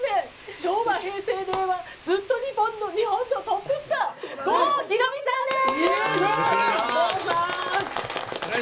昭和、平成、令和ずっと日本のトップスター郷ひろみさんです！